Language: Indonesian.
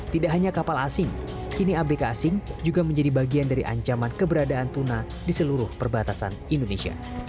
tidak hanya kapal asing kini abk asing juga menjadi bagian dari ancaman keberadaan tuna di seluruh perbatasan indonesia